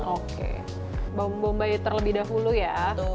oke bawang bombay terlebih dahulu ya